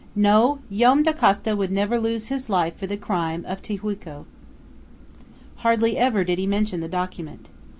No! Joam Dacosta would never lose his life for the crime of Tijuco! Hardly ever did he mention the document.